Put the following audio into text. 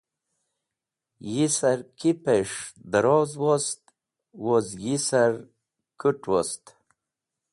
Yisar kipẽs̃h dẽroz wos woz yisar kũt̃ wost.